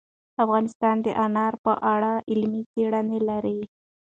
افغانستان د انار په اړه علمي څېړنې لري.